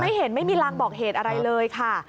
ไม่เห็นไม่มีรางบอกเหตุอะไรเลยค่ะ